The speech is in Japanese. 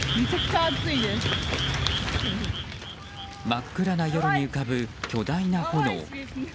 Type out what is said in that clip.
真っ暗な夜に浮かぶ巨大な炎。